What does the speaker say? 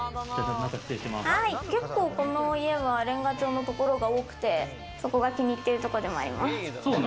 結構この家はレンガ調の所が多くてそこが気に入ってるところでもあります。